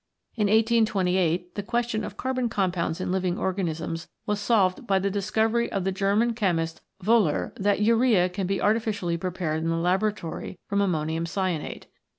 In 1828 the question of carbon compounds in living organisms was solved by the discovery of the German chemist Woehler, that urea can be artificially prepared in the laboratory from ammonium cyanate.